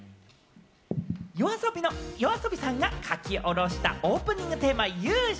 ＹＯＡＳＯＢＩさんが書き下ろしたオープニングテーマ『勇者』。